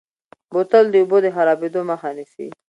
بوتل د اوبو د خرابېدو مخه نیسي.